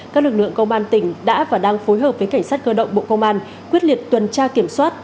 các lực lượng công an tỉnh đã và đang phối hợp với cảnh sát cơ động bộ công an quyết liệt tuần tra kiểm soát